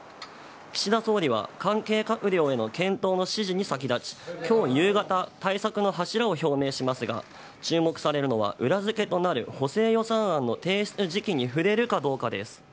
岸田総理は関係閣僚の検討の指示に先立ち、きょう夕方、対策の柱を表明しますが、注目されるのは、裏付けとなる補正予算案の提出時期に触れるかどうかです。